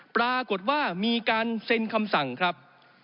ปรากฏว่ามีการเซ็นคำสั่งครับ